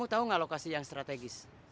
tapi gak silahkan liat energi